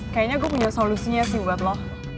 kayaknya gue punya solusinya sih buat lo